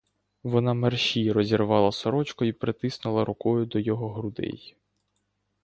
Вона мерщій розірвала сорочку й притиснула рукою до його грудей.